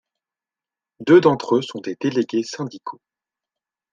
Deux d'entre eux sont des délégués syndicaux.